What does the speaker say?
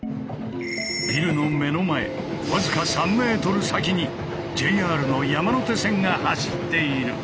ビルの目の前わずか３ｍ先にＪＲの山手線が走っている。